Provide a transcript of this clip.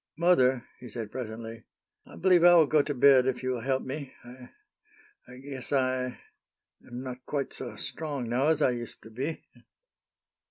"Mother," he said, presently, "I believe I will go to bed if you will help me. I I guess I am not quite so strong now as I used to be."